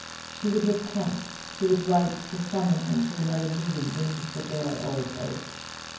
She would repent: she would write to summon him to another meeting beneath the bare old oak.